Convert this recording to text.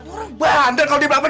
orang bandel kalo dibelak pergi